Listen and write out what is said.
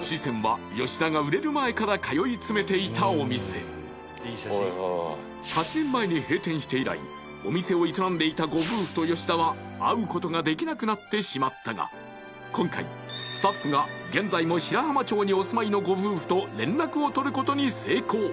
紫扇は吉田が売れる前から通い詰めていたお店して以来お店を営んでいたご夫婦と吉田は会うことができなくなってしまったが今回スタッフが現在も白浜町にお住まいのご夫婦と連絡を取ることに成功！